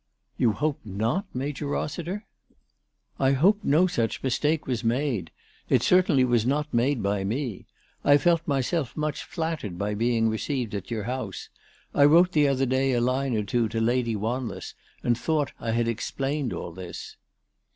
" You hope not, Major Rossiter ?"" I hope no such mistake was made. It certainly was not made by me. I felt myself much nattered by ALICE DUGDALE. 397 being received at your house. I wrote the other day a line or two to Lady Wanless and thought I had ex plained all this."